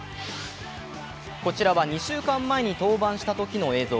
こちらは２週間前に登板したときの映像。